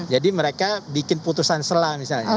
jadi mereka bikin putusan sela misalnya